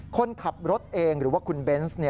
คนขับรถเองหรือว่าคุณเบนส์